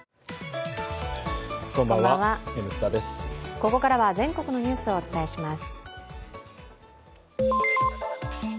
ここからは全国のニュースをお伝えします。